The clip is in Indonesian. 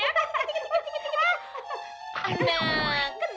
nah kena kan sekarang